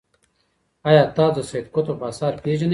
ایا تاسو د سید قطب اثار پیژنئ؟